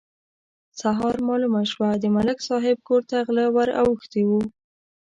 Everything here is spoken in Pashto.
سهار مالومه شوه: د ملک صاحب کور ته غله ور اوښتي وو.